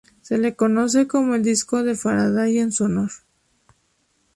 Se le conoce como disco de Faraday en su honor.